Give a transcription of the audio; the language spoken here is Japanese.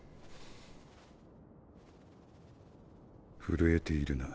震えているな。